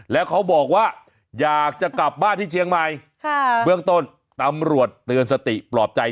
แล้วเขาบอกว่าอยากจะกลับบ้านที่เชียงใหม่ค่ะเบื้องต้นตำรวจเตือนสติปลอบใจ